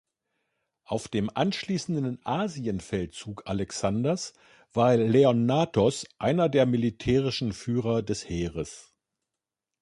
Auf dem anschließenden Asienfeldzug Alexanders war Leonnatos einer der militärischen Führer des Heeres.